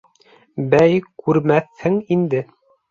— Бәй, күрмәҫһең инде.